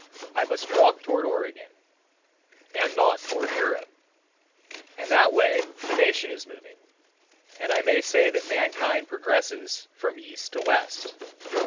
I must walk toward Oregon, and not toward Europe. And that way the nation is moving, and I may say that mankind progress from east to west.